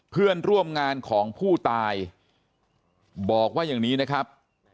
เพื่อนร่วมงานของผู้ตายบอกว่าอย่างนี้นะครับ